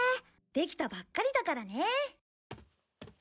できたばっかりだからね。